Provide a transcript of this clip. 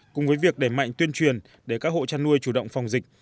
cùng với việc đẩy mạnh tuyên truyền để các hộ chăn nuôi chủ động phòng dịch